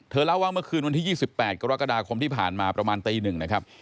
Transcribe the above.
เล่าว่าเมื่อคืนวันที่๒๘กรกฎาคมที่ผ่านมาประมาณตี๑นะครับ